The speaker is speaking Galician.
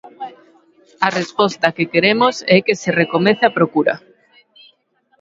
A resposta que queremos é que se recomece a procura.